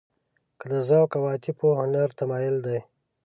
که د ذوق او عواطفو هنري تمایل دی.